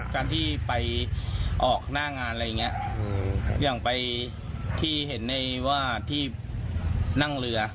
การที่ไปออกหน้างานอะไรอย่างเงี้ยอย่างไปที่เห็นในว่าที่นั่งเรือ